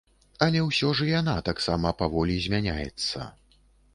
Але ўсё ж і яна таксама паволі змяняецца.